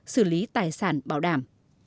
xử lý tài sản bảo đảm